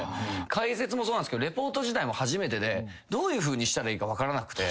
解説もそうなんすけどレポート自体も初めてでどういうふうにしたらいいか分からなくて。